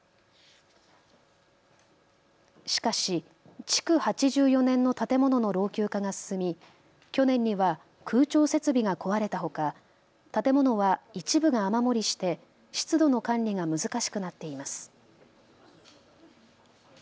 しかし築８４年の建物の老朽化が進み、去年には空調設備が壊れたほか、建物は一部が雨漏りして湿度の管理が難しくなっています。